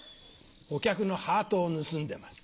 お客のハートを盗んでます。